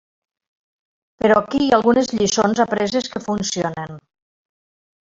Però aquí hi ha algunes lliçons apreses que funcionen.